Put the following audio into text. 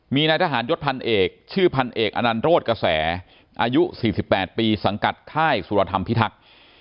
มีนายทหารยศพันเอกชื่อพันเอกอนันโรธกระแสอายุ๔๘ปีสังกัดค่ายสุรธรรมพิทักษ์